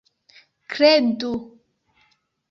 kredu